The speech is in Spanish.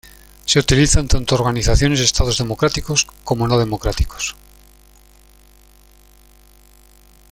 Se utiliza tanto en organizaciones y estados democráticos como no democráticos.